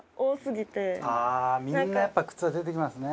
みんなやっぱ靴は出てきますね。